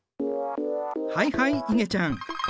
はいはいいげちゃん。